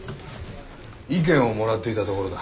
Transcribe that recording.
意見をもらっていたところだ。